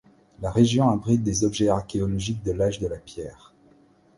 La région abrite des objets archéologiques de l'âge de la pierre.